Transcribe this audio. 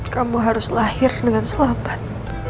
kamu harus lahir dengan selamat